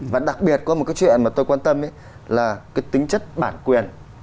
và đặc biệt có một cái chuyện mà tôi quan tâm là cái tính chất bản quyền